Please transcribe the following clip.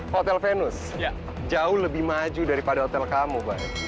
hotel venus jauh lebih maju daripada hotel kamu